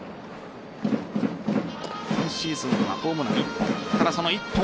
今シーズンはホームラン１本。